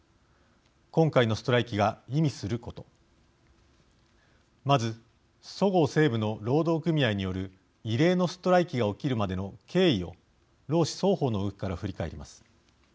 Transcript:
今回のストライキが意味することまず、そごう・西武の労働組合による異例のストライキが起きるまでの経緯を労使双方の動きから振り返ります。